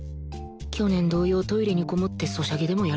去年同様トイレにこもってソシャゲでもやるか